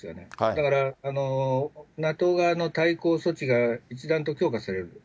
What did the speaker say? だからＮＡＴＯ側の対抗措置が一段と強化されると。